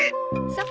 そう。